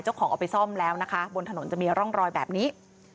เอาไปซ่อมแล้วนะคะบนถนนจะมีร่องรอยแบบนี้